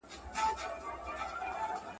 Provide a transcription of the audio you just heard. زه به سبا اوبه پاک کړم!؟